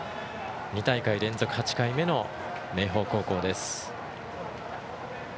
２大会連続８回目の明豊高校です。